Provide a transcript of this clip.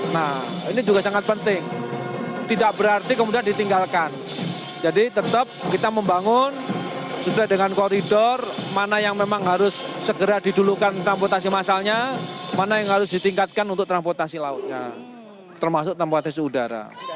nah ini juga sangat penting tidak berarti kemudian ditinggalkan jadi tetap kita membangun sudah dengan koridor mana yang memang harus segera didulukan transportasi massalnya mana yang harus ditingkatkan untuk transportasi lautnya termasuk tempat isolasi udara